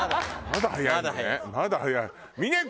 まだ早い。